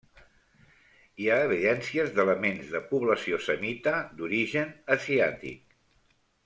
Hi ha evidències d'elements de població semita, d'origen asiàtic.